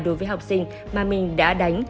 đối với học sinh mà mình đã đánh